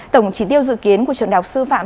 tổng trí tiêu dự kiến của trường đào sư phạm